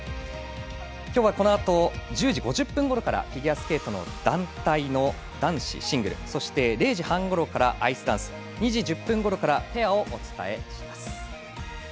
今日はこのあと１０時５０分ごろからフィギュアスケートの団体の男子シングルそして０時半ごろからはアイスダンス２時１０分ごろからペアをお伝えします。